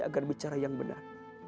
agar bicara yang benar